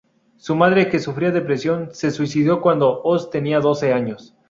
Su madre, que sufría depresión, se suicidó cuando Oz tenía doce años.